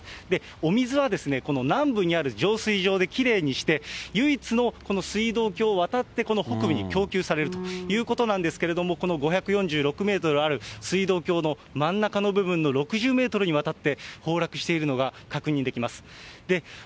お水はこの南部にある浄水場できれいにして、唯一のこの水道橋を渡って、この北部に供給されるということなんですけれども、この５４６メートルある水道橋の真ん中の部分の６０メートルにわたって崩落しているのが確認できます。